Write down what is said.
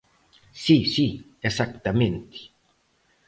Si, si, exactamente.